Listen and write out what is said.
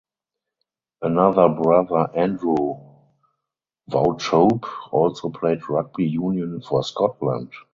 Another brother Andrew Wauchope also played rugby union for Scotland.